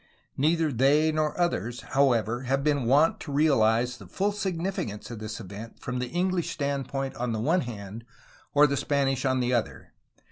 Neither they nor others, however, have been wont to realize the full signi ficance of this event from the English standpoint on the one hand or the Spanish on the other.